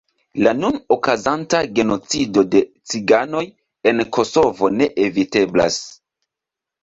La nun okazanta genocido de ciganoj en Kosovo ne eviteblas.